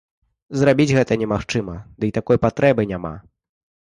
Зрабіць гэта немагчыма, дый такой патрэбы няма.